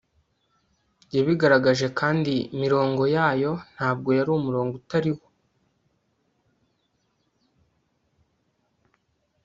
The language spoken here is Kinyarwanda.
Yabigaragaje kandi imirongo yayo ntabwo yari umurongo utari wo